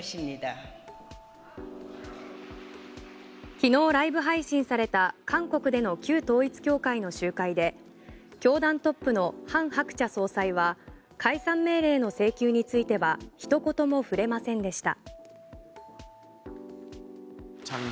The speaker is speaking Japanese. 昨日ライブ配信された韓国での旧統一教会の集会で教団トップのハン・ハクチャ総裁は解散命令の請求についてはひと言も触れませんでした。